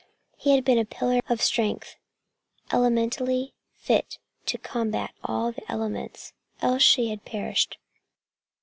He had been a pillar of strength, elementally fit to combat all the elements, else she had perished.